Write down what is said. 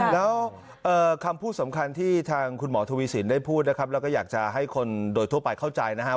แล้วคำพูดสำคัญที่ทางคุณหมอทวีสินได้พูดนะครับแล้วก็อยากจะให้คนโดยทั่วไปเข้าใจนะครับ